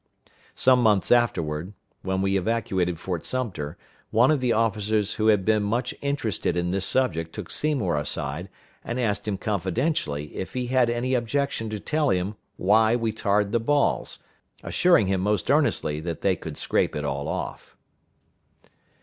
Some months afterward, when we evacuated Fort Sumter, one of the officers who had been much interested in this subject took Seymour aside, and asked him confidentially if he had any objection to tell him why we tarred our balls, assuring him most earnestly that they could scrape it all off.